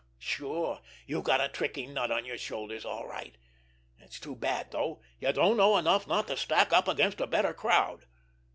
Sure, you got a tricky nut on your shoulders, all right! It's too bad, though, you don't know enough not to stack up against a better crowd!